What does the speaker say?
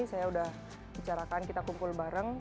saya udah bicarakan kita kumpul bareng